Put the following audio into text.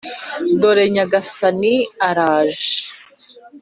dore nyagasani araje